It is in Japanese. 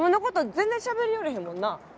全然しゃべりよれへんもんな。